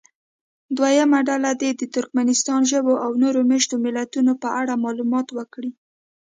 دویمه ډله دې د ترکمنستان ژبو او نورو مېشتو ملیتونو په اړه معلومات ورکړي.